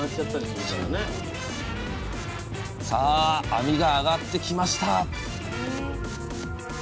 網があがってきました